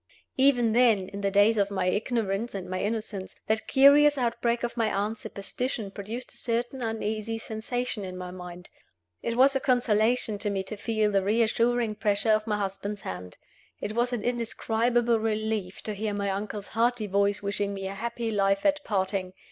Even then, in the days of my ignorance and my innocence, that curious outbreak of my aunt's superstition produced a certain uneasy sensation in my mind. It was a consolation to me to feel the reassuring pressure of my husband's hand. It was an indescribable relief to hear my uncle's hearty voice wishing me a happy life at parting.